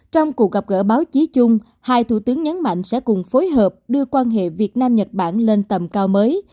trong cuộc gặp gỡ báo chí chung hai thủ tướng nhấn mạnh sẽ cùng phối hợp đưa quan hệ việt nam nhật bản lên tầm cao mới